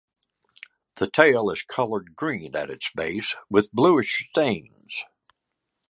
The tail is coloured green at its base, with bluish stains.